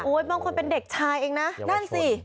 โอ้ยมองคุณเป็นเด็กชายเองนะนั่นสิ